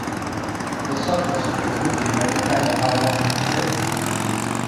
The softness of the cookie may depend on how long it is baked.